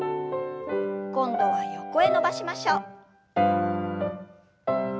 今度は横へ伸ばしましょう。